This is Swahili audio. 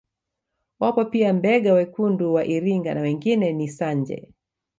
Wapo pia Mbega wekundu wa Iringa na wengine ni Sanje